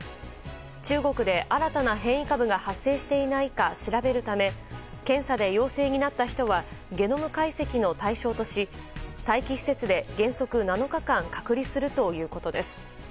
中国で新たな変異株が発生していないか調べるため検査で陽性になった人はゲノム解析の対象とし待機施設で原則７日間隔離するということです。